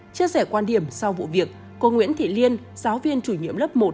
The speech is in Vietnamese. chia sẻ quan điểm sau vụ việc cô nguyễn thị liên giáo viên chủ nhiệm lớp một